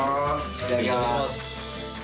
いただきます。